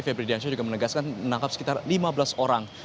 febri diansyah juga menegaskan menangkap sekitar lima belas orang